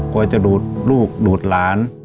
จะดูดลูกดูดหลาน